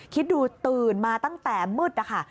คิดดูตื่นมาตั้งแต่มืดนะคะ